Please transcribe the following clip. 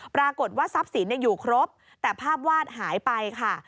ปรากฏว่าทรัพย์สินอยู่ครบแต่ภาพวาดหายไปค่ะ